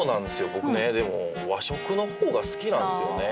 僕ねでも和食の方が好きなんですよね。